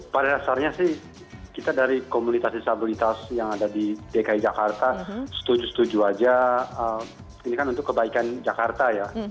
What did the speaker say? pada dasarnya sih kita dari komunitas disabilitas yang ada di dki jakarta setuju setuju aja ini kan untuk kebaikan jakarta ya